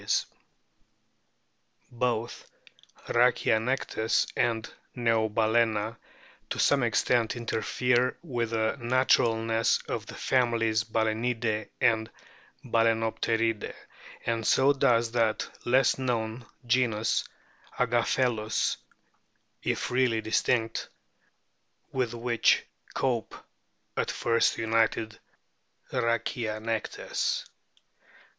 126 A BOOK OF WHALES Both Rhachianectes and Neobalana to some extent interfere with the naturalness of the families Balsenidae and Balsenopteridae ; and so does that less known genus Agaphehts (if really distinct) with which Cope at first united Rhachianectes.